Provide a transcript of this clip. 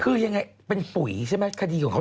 คือยังไงเป็นปุ๋ยใช่ไหมคดีของเขา